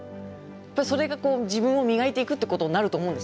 それがこう自分を磨いていくっていうことになると思うんですよ。